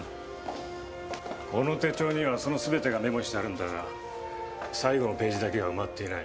この手帳にはそのすべてがメモしてあるんだが最後のページだけが埋まっていない。